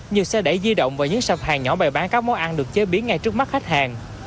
nhiều xe đẩy di động và những sạp hàng nhỏ bày bán các món ăn được chế biến ngay trước mắt khách hàng